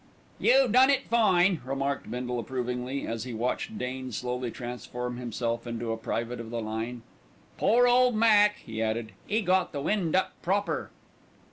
"You done it fine," remarked Bindle approvingly, as he watched Dane slowly transform himself into a private of the line. "Pore ole Mac," he added, "'e got the wind up proper."